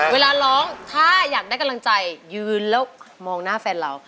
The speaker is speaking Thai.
เวลาร้องถ้าอยากได้กำลังใจยืนแล้วมองหน้าแฟนเรา